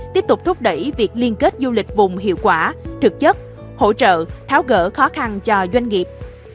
tiếp tục thúc đẩy việc liên kết du lịch vùng hiệu quả thực chất hỗ trợ tháo gỡ khó khăn cho doanh nghiệp